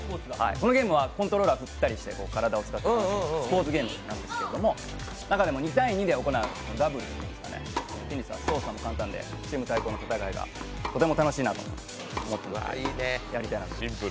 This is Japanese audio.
このゲームはコントローラーを振ったりして体を使って楽しむゲームなんですけど中でも２対２で行うダブルスはテニスは操作も簡単で、チーム対抗の戦いがとても楽しいなと思ってます。